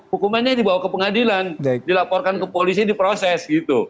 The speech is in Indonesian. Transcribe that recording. hukumannya dibawa ke pengadilan dilaporkan ke polisi diproses gitu